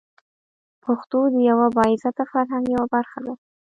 پښتو د یوه با عزته فرهنګ یوه برخه ده.